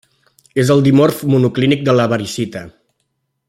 És el dimorf monoclínic de la variscita.